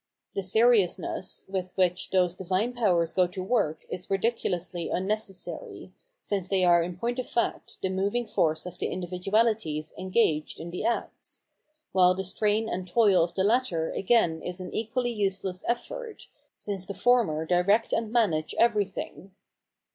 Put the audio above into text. The seriousness with which those divine powers go to work is ridiculously unnecessary, since they are in point of fact the moving force of the individuahties engaged in the acts; while the strain and toil of the latter again is an equally use less effort, since the former direct and manage every thing.